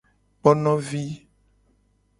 Kponovi.